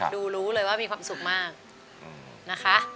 รู้เลยว่ามีความสุขมากนะคะ